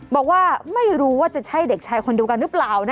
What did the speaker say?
บอกว่าไม่รู้ว่าจะใช่เด็กชายคนเดียวกันหรือเปล่า